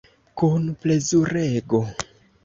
Kun plezurego.